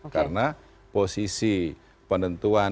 karena posisi penentuan